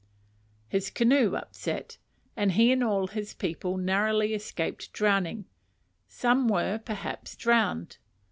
His canoe upset, and he and all his family narrowly escaped drowning some were, perhaps, drowned.